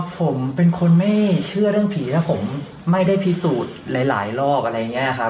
ผมเป็นคนไม่เชื่อเรื่องผีแล้วผมไม่ได้พิสูจน์หลายรอบอะไรอย่างนี้ครับ